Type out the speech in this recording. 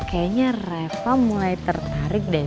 kayaknya reva mulai tertarik deh